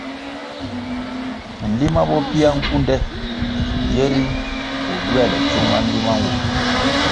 Nlima bo pia nkunde yeri koh gywēle tsiung ma nlima nwo.